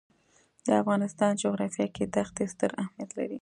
د افغانستان جغرافیه کې دښتې ستر اهمیت لري.